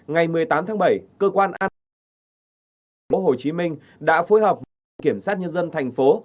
ngày một mươi tám tháng bảy cơ quan an toàn bộ hồ chí minh đã phối hợp với kiểm soát nhân dân thành phố